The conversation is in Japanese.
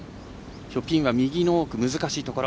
きょう、ピンは右の奥難しいところ。